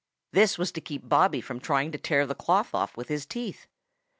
This was to keep Bobby from trying to tear off the cloth with his teeth.